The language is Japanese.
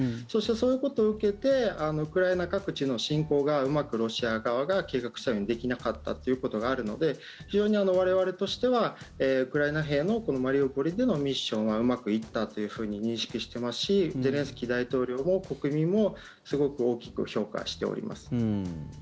そういうことを受けてウクライナ各地の侵攻がうまくロシア側が計画したようにできなかったということがあるので非常に我々としてはウクライナ兵のマリウポリでのミッションはうまくいったと認識していますしゼレンスキー大統領も国民もすごく大きく評価しております。